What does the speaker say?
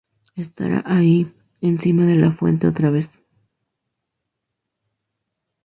Estará ahí, encima de la fuente otra vez.